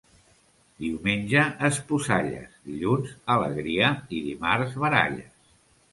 Diumenge esposalles, dilluns alegria i dimarts baralles.